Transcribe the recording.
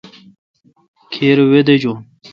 کھیرے وے دیجون۔